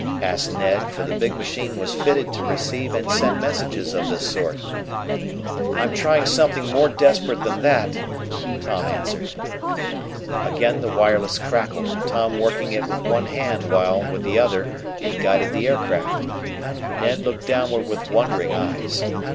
asked Ned, for the big machine was fitted to receive and send messages of this sort. "I'm trying something more desperate than that," Tom answered. Again the wireless crackled, Tom working it with one hand while, with the other, he guided the aircraft. Ned looked downward with wondering eyes.